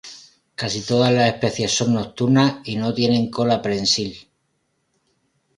Casi todas las especies son nocturnas y no tienen cola prensil.